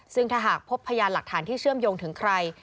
ซึ่งถ้าหากพบพยานหลักฐานที่เชื่อมโยงถึงใคร